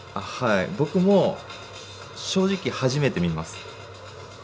僕も正直初めて見ます。